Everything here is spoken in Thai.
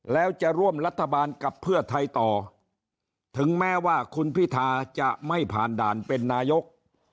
แล้วจะร่วมรัฐบาลกับเพื่อไทยต่อถึงแม้ว่าคุณพิธาจะไม่ผ่านด่านเป็นนายก